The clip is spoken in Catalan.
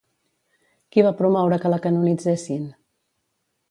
Qui va promoure que la canonitzessin?